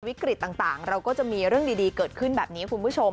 ต่างเราก็จะมีเรื่องดีเกิดขึ้นแบบนี้คุณผู้ชม